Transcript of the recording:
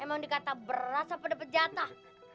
emang dikata berat apa dapat jatah